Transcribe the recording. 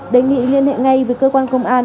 đề nghị liên hệ ngay với cơ quan công an